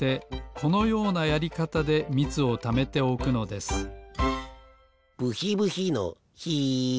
このようなやりかたでみつをためておくのですブヒブヒのヒ。